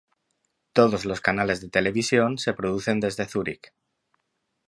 Todos los canales de televisión se producen desde Zúrich.